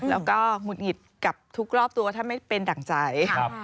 แล้วก็หงุดหงิดกับทุกรอบตัวถ้าไม่เป็นดั่งใจ